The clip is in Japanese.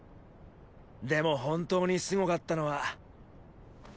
でも本当に凄かったのは。